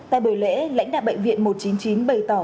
tại buổi lễ lãnh đạo bệnh viện một trăm chín mươi chín bày tỏ